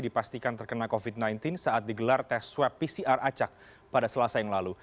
dipastikan terkena covid sembilan belas saat digelar tes swab pcr acak pada selasa yang lalu